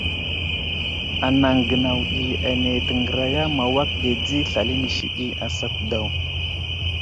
Anaŋ gənaw ɗi ane təŋgəriya ma awak dedi slal inisi ɗi asat daw.